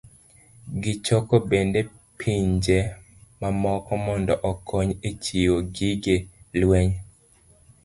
Gichoko bende pinje mamoko mondo okony e chiwo gige lweny